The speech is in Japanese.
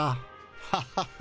ハハハ。